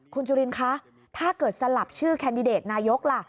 คุณจุลินคะถ้าเกิดสลับชื่อแคนดิเดตนายกล่ะ